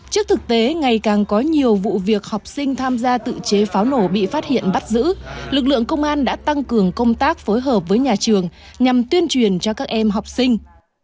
trước thực tế ngày càng có nhiều vụ việc học sinh tham gia tự chế pháo nổ bị phát hiện bắt giữ lực lượng công an đã tăng cường công tác phối hợp với nhà trường nhằm tuyên truyền cho các em học sinh